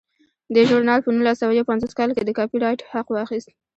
دې ژورنال په نولس سوه یو پنځوس کال کې د کاپي رایټ حق واخیست.